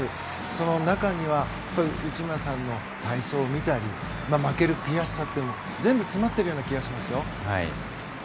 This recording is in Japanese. その中には内村さんの体操を見たり負ける悔しさというのも全部詰まっている気がしますよ。